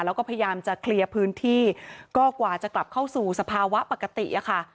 แล้วก็พยายามจะเคลียร์พื้นที่ก็กว่าจะกลับเข้าสู่สภาวะปกติอะค่ะ